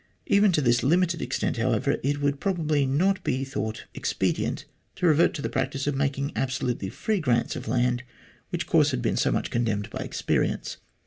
Even to this limited extent, however, it would probably not be thought expedient to revert to the practice of making absolutely free grants of land, which course had been so much condemned by experience.